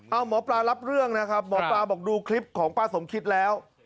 เอาหมอปลารับเรื่องนะครับหมอปลาบอกดูคลิปของป้าสมคิดแล้ว